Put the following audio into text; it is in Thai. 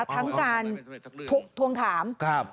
ทั้งการทวงถาม